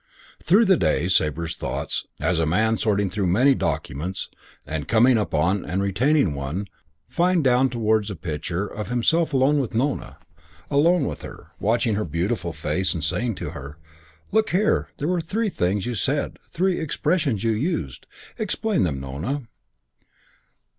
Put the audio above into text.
X Through the day Sabre's thoughts, as a man sorting through many documents and coming upon and retaining one, fined down towards a picture of himself alone with Nona alone with her, watching her beautiful face and saying to her: "Look here, there were three things you said, three expressions you used. Explain them, Nona."